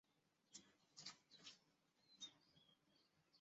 看着爸爸在面前哭的那么无助